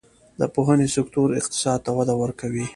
د پوهنې سکتور اقتصاد ته وده ورکوي